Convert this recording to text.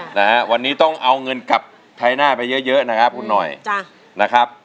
นะฮะวันนี้ต้องเอาเงินกลับไทยหน้าไปเยอะเยอะนะครับคุณหน่อยจ้ะนะครับ